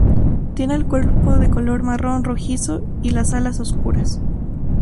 Tiene el cuerpo de color marrón rojizo y las alas oscuras.